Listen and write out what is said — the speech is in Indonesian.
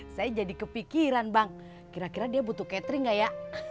saya jadi kepikiran bang kira kira dia butuh catering gak ya